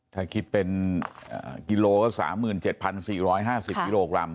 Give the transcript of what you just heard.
ถ้าคิดเป็นกิโลกรัม